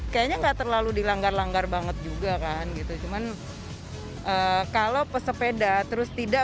kayaknya nggak terlalu dilanggar langgar banget juga kan gitu cuman kalau pesepeda terus tidak